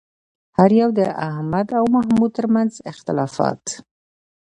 هر یو د احمد او محمود ترمنځ اختلافات